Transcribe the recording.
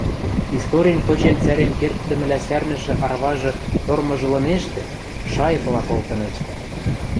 Историн кычен цӓрен керддӹмӹлӓ сӓрнӹшӹ араважы тормыжлынештӹ, шайыкыла колтынештӹ...